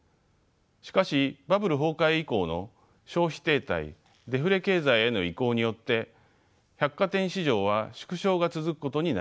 しかしバブル崩壊以降の消費停滞デフレ経済への移行によって百貨店市場は縮小が続くことになりました。